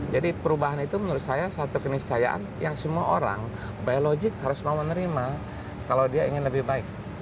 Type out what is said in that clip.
jadi perubahan itu menurut saya satu keniscayaan yang semua orang biologik harus mau menerima kalau dia ingin lebih baik